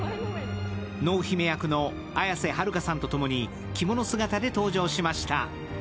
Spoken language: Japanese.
濃姫役の綾瀬はるかさんと共に着物姿で登場しました。